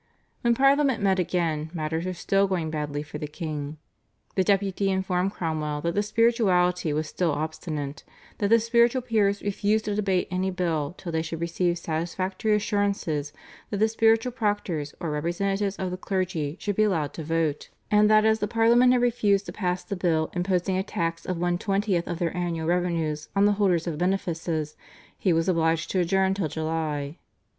When Parliament met again matters were still going badly for the king. The Deputy informed Cromwell that the spirituality was still obstinate; that the spiritual peers refused to debate any bill till they should receive satisfactory assurances that the spiritual proctors or representatives of the clergy should be allowed to vote, and that as the Parliament had refused to pass the bill imposing a tax of one twentieth of their annual revenues on the holders of benefices, he was obliged to adjourn till July.